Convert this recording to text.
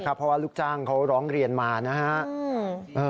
เพราะว่าลูกจ้างเขาร้องเรียนมานะครับ